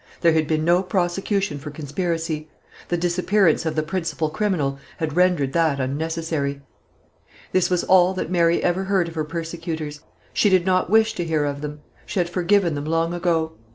There had been no prosecution for conspiracy; the disappearance of the principal criminal had rendered that unnecessary. This was all that Mary ever heard of her persecutors. She did not wish to hear of them; she had forgiven them long ago.